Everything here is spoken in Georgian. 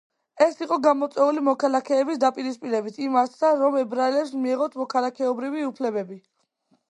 ეს იყო გამოწვეული მოქალაქეების დაპირისპირებით იმ აზრთან, რომ ებრაელებს მიეღოთ მოქალაქეობრივი უფლებები.